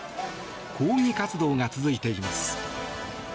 抗議活動が続いています。